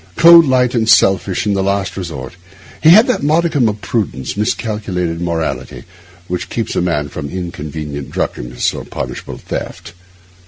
Cold, light, and selfish in the last resort, he had that modicum of prudence, miscalled morality, which keeps a man from inconvenient drunkenness or punishable theft.